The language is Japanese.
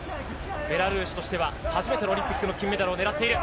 ベラルーシとしては初めてのオリンピックの金メダルを狙っている。